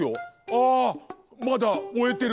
あまだおえてる！